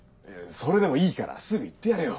それでもいいからすぐ行ってやれよ！